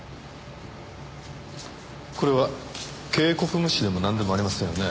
これは警告無視でもなんでもありませんよね？